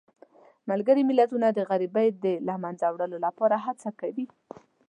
ملګري ملتونه د غریبۍ د له منځه وړلو لپاره هڅه کوي.